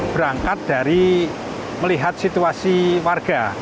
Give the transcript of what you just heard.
berangkat dari melihat situasi warga